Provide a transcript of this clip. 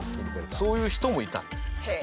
そういう人もいたんです。